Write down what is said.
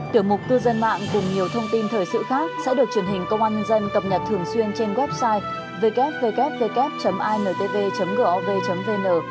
tiểu mục cư dân mạng cùng nhiều thông tin thời sự khác sẽ được truyền hình công an nhân dân cập nhật thường xuyên trên website www intv gov vn